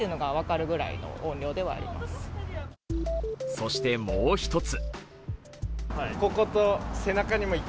そしてもう一つ。